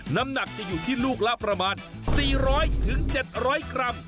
น้ำหนักจะอยู่ที่ลูกละประมาณ๔๐๐๗๐๐กรัม